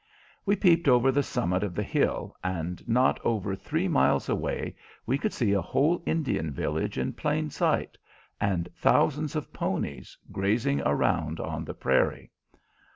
We peeped over the summit of the hill, and not over three miles away we could see a whole Indian village in plain sight, and thousands of ponies grazing around on the prairie.